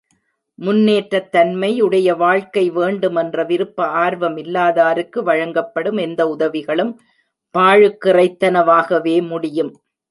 முன்னேற்றத்தன்மை உடைய வாழ்க்கை வேண்டும் என்ற விருப்ப ஆர்வம் இல்லாதாருக்கு வழங்கப்படும் எந்த உதவிகளும் பாழுக்கிறைத்தன வாகவே முடியும்.